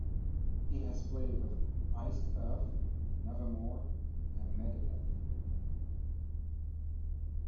He has played with Iced Earth, Nevermore, and Megadeth.